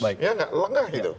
ya nggak lengah itu